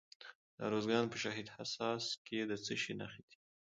د ارزګان په شهید حساس کې د څه شي نښې دي؟